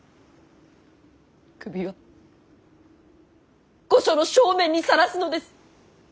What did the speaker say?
首は御所の正面にさらすのです！